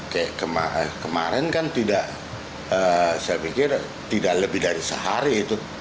kayak kemarin kan tidak saya pikir tidak lebih dari sehari itu